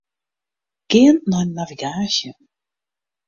Gean nei navigaasje.